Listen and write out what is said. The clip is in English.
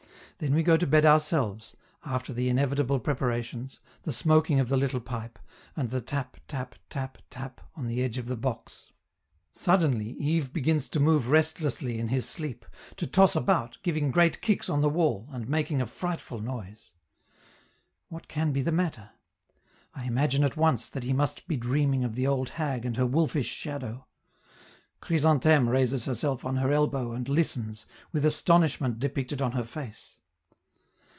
Then we go to bed ourselves, after the inevitable preparations, the smoking of the little pipe, and the tap! tap! tap! tap! on the edge of the box. Suddenly Yves begins to move restlessly in his sleep, to toss about, giving great kicks on the wall, and making a frightful noise. What can be the matter? I imagine at once that he must be dreaming of the old hag and her wolfish shadow. Chrysantheme raises herself on her elbow and listens, with astonishment depicted on her face.